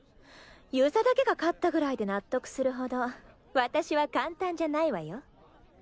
遊佐だけが勝ったぐらいで納得するほど私は簡単じゃないわよ。